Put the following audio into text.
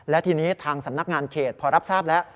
และทีนี้ทางสำนักงานเขตพอรับทราบแล้ว